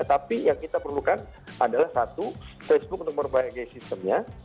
tapi yang kita perlukan adalah satu facebook untuk memperbaiki sistemnya